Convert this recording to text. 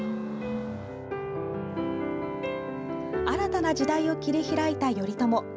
新たな時代を切り開いた頼朝。